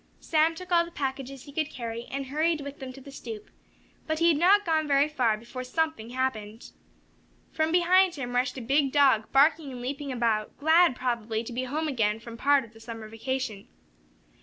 Sam took all the packages he could carry, and hurried with them to the stoop. But he had not gone very far before something happened. From behind him rushed a big dog, barking and leaping about, glad, probably, to be home again from part of the summer vacation.